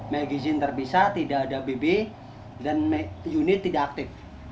maigin terpisah tidak ada bb dan unit tidak aktif